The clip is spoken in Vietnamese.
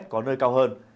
có nơi cao hơn